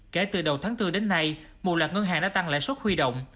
kể từ đầu tháng bốn đến nay một loạt ngân hàng đã tăng lãi suất huy động